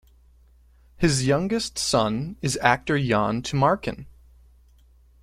His youngest son is actor Yon Tumarkin.